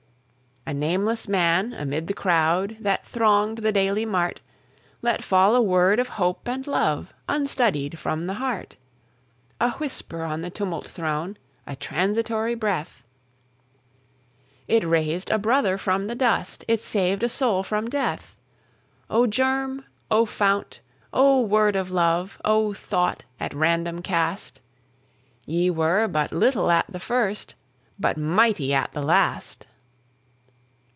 A nameless man, amid the crowd That thronged the daily mart, Let fall a word of hope and love, Unstudied from the heart, A whisper on the tumult thrown, A transitory breath, It raised a brother from the dust, It saved a soul from death. O germ! O fount! O word of love! O thought at random cast! Ye were but little at the first, But mighty at the last.